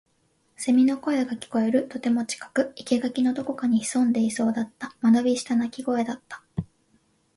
蝉の声が聞こえる。とても近く。生垣のどこかに潜んでいそうだった。間延びした鳴き声だった。